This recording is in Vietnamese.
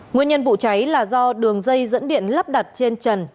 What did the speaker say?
nguyên nhân vụ cháy là do đường dây dẫn điện lắp đặt trên trần